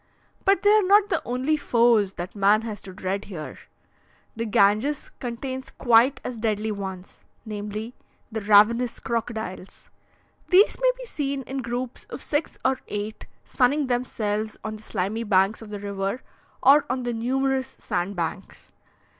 But they are not the only foes that man has to dread here; the Ganges contains quite as deadly ones, namely the ravenous crocodiles. These may be seen in groups of six or eight, sunning themselves on the slimy banks of the river or on the numerous sandbanks.